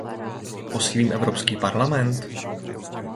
Posílím Evropský parlament?